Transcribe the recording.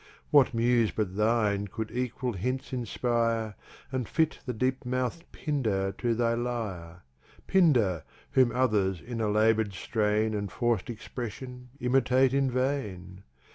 What Muse but thine cou'd equal Hints inspire, And fit the Deep Mouth'd Pindar to thy Lyre: Pindar, whom others in a Labour'd strain And forc'd Expression, imitate in vain?